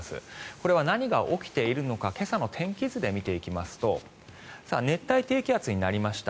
これが何が起きているのか今朝の天気図で見ていきますと熱帯低気圧になりました。